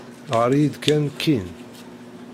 Ɣer-iyi-d kan Ken.